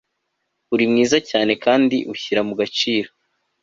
uri mwiza cyane kandi ushyira mu gaciro